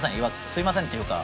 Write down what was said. すみませんっていうか。